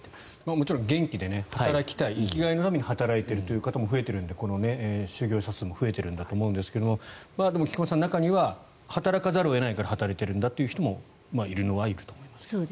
もちろん元気で働きたい生きがいのために働いているという人も増えてるのでこの就業者数も増えているんだと思いますがでも菊間さん、中には働かざるを得ないから働いている人もいるのはいると思いますけど。